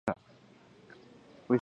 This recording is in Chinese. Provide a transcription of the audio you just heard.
和州历阳县人。